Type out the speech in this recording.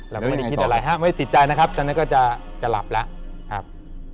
เราไม่ได้คิดอะไรฮะไม่ติดใจนะครับตอนนั้นก็จะหลับแล้วครับ